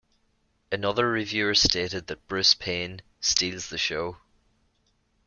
Another reviewer stated that Bruce Payne 'steals the show.